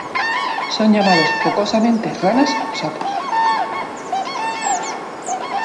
Son llamados jocosamente "ranas" o "sapos".